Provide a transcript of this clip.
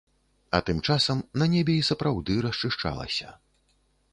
А тым часам на небе і сапраўды расчышчалася.